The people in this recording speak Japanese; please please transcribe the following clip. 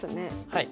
はい。